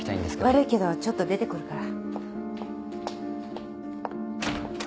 悪いけどちょっと出てくるから。